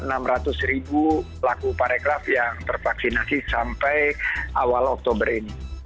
kami berhasil menangkap vaksinasi yang terbaksinasi sampai awal oktober ini